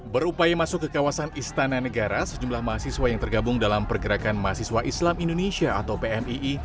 berupaya masuk ke kawasan istana negara sejumlah mahasiswa yang tergabung dalam pergerakan mahasiswa islam indonesia atau pmii